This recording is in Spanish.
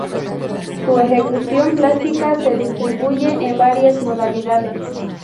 Su ejecución plástica se distribuye en varias modalidades.